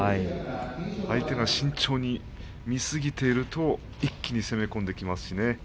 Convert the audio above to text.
相手が慎重に見すぎていると一気に攻め込んできますしね。